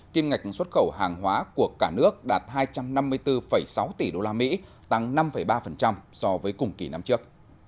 kim ngạch xuất khẩu hàng hóa của cả nước đạt hai trăm năm mươi bốn sáu tỷ usd tăng năm ba so với cùng kỳ năm trước